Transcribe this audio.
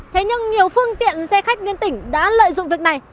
thế nhưng nhiều phương tiện xe khách liên tỉnh đã lợi dụng việc này